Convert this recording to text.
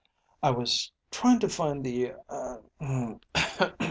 "I was trying to find the eh er